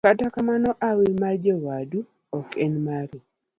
Kata kamano, hawi mar nyawadu ok en mari.